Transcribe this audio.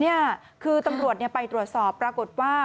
นี่คือตำรวจไปตรวจสอบปรากฏว่า